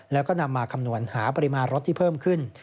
แล้วก็นำมาคำนวณหาปริมาณรถที่เพิ่มขึ้น